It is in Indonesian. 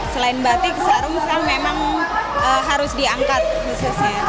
selain batik sarung kan memang harus diangkat khususnya